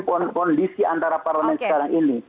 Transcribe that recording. kondisi antara parlemen sekarang ini